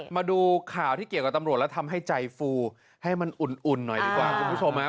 มาดูข่าวที่เกี่ยวกับตำรวจแล้วทำให้ใจฟูให้มันอุ่นหน่อยดีกว่าคุณผู้ชมครับ